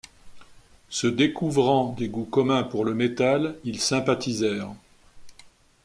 Se découvrant des goûts communs pour le metal, ils sympathisèrent.